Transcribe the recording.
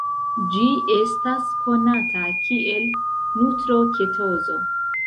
Ĝi estas konata kiel nutroketozo.